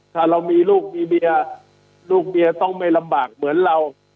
ถ้าเรามีลูกมีเมียลูกเมียต้องไม่ลำบากเหมือนเรา